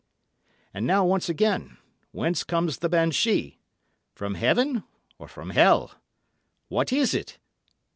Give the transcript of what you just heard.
"And now once again, whence comes the banshee? From heaven or from hell? What is it?